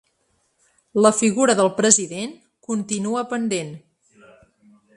La figura del president continua pendent.